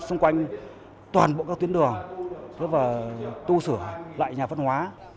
xung quanh toàn bộ các tuyến đường và tu sửa lại nhà văn hóa